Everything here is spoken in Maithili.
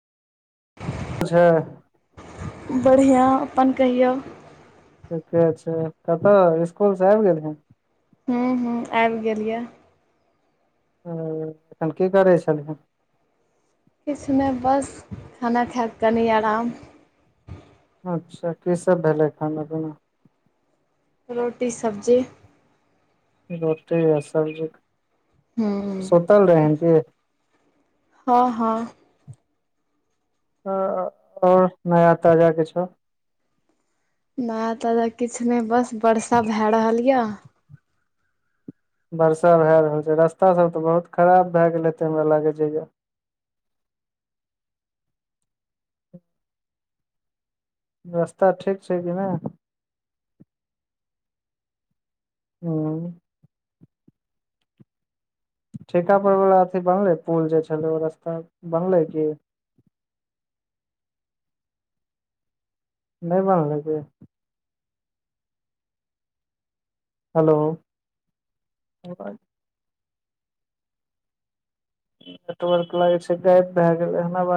जे बढ़िआँ अपन कहियौ ठीके छै कतअ इसकुल से आबि गेलही हूँ हूँ आबि गेलिये ह तखन की करै छलही किछु नहि बस खाना खाक तनी आराम। अच्छा की सब भेलैय खाना पीना रोटी सब्जी रोटी आ सब्जी। हँ सुतल रहे की हँ हँ। ह आओर नया ताजा किछौ नया ताजा किछु नय बस बर्सा भए रहल ये। वर्षा भए रहल छै रस्ता सब त बहुत खराब भए गेल हेते हमरा लागे जया रास्ता ठीक छै कि नय हूँ ठीका पर वला अथी बनलै पुल जे छलै ओ रास्ता बनलै की। नय बनले की हेलो। नेटवर्क लागे छै गैप भए गेल एना बात